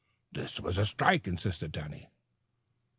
"This was a strike," insisted Danny.